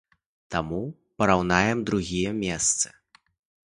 Таму параўнаем другія месцы.